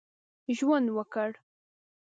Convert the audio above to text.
ژوند وکړ.